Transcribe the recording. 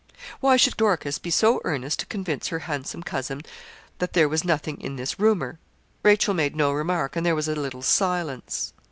Why should Dorcas be so earnest to convince her handsome cousin that there was nothing in this rumour? Rachel made no remark, and there was a little silence.